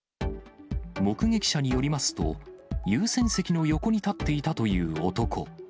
目撃者によりますと、優先席の横に立っていたという男。